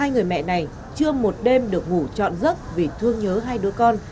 hai người mẹ này chưa một đêm được ngủ trọn giấc vì thương nhớ hai đứa con